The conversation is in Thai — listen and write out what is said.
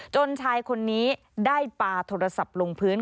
ชายคนนี้ได้ปลาโทรศัพท์ลงพื้น